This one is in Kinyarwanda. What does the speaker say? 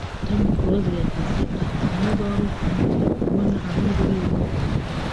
Tom Close yagize ati ”Niba wari ukumbuye kubona aho ndirimba